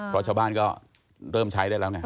เพราะชาวบ้านก็เริ่มใช้ได้แล้วไง